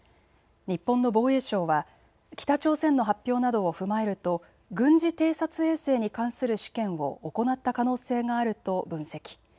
日本の防衛省は北朝鮮の発表などを踏まえると軍事偵察衛星に関する試験を行った可能性があると分析。